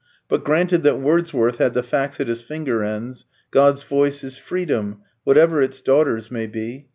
But granted that Wordsworth had the facts at his finger ends, God's voice is freedom, whatever its daughters may be.